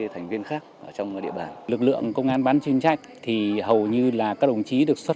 thành viên khác trong địa bàn lực lượng công an bán chuyên trách thì hầu như là các đồng chí được xuất